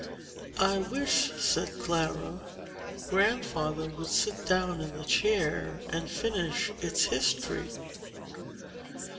"I wish," said Clara, "Grandfather would sit down in the chair, and finish its history."